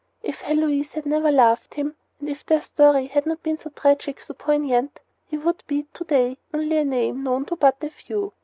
If Heloise had never loved him, and if their story had not been so tragic and so poignant, he would be to day only a name known to but a few.